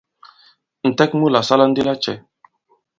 Ǹtɛk mu la sala ndi lacɛ ?